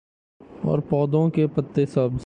اور پودوں کے پتے سبز